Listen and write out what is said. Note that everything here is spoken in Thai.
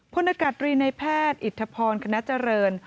พลอากาศตรีในแพทย์อิทธพรคณะเจริญ